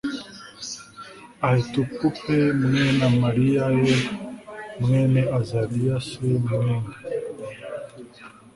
Ahitubu p mwene Amariya r mwene Azariya s mwene